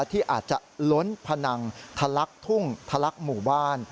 ที่อาจจะล้นพนังทะลักทุ่งทะลักหมู่บ้าน